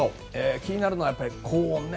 気になるのは高温ね。